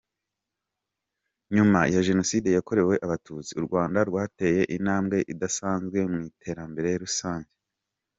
Nyuma ya Jenoside yakorewe Abatutsi, u Rwanda rwateye intambwe idasanzwe mu iterambere rusange.